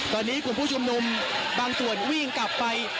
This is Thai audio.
ตอนนี้กลุ่มผู้ชุมนุมบางส่วนวิ่งกลับไป